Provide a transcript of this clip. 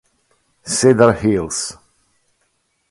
Cedar Hills